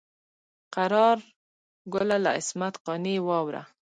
قرار ګله له عصمت قانع یې واوره.